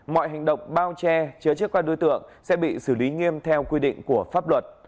mọi hành động bao che chứa chấp các đối tượng sẽ bị xử lý nghiêm theo quy định của pháp luật